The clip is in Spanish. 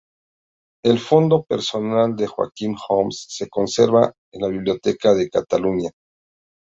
El fondo personal de Joaquim Homs se conserva en la Biblioteca de Cataluña.